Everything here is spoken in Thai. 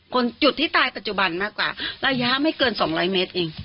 จุดที่ตายปัจจุบันมากกว่าระยะไม่เกิน๒๐๐เมตรเอง